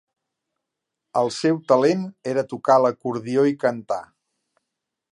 El seu talent era tocar l'acordió i cantar.